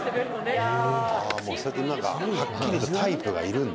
ああ、もうそうやってなんかはっきりとタイプがいるんだ。